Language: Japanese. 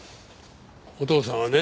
お父さんはね